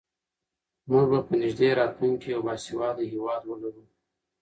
موږ به په نږدې راتلونکي کې یو باسواده هېواد ولرو.